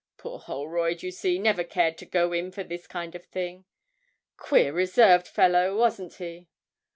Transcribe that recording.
Poor Holroyd, you see, never cared to go in for this kind of thing. Queer reserved fellow, wasn't he?'